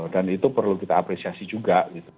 dan itu perlu kita apresiasi juga gitu